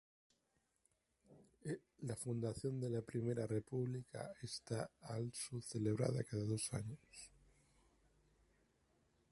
La fundación de la primera República está also celebrada cada dos años.